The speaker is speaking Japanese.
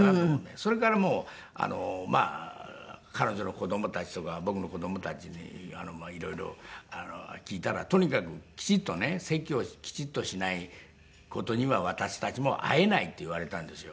それからもう彼女の子供たちとか僕の子供たちに色々聞いたらとにかくきちっとね「籍をきちっとしない事には私たちも会えない」って言われたんですよ。